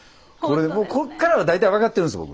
こっからは大体分かってるんです僕。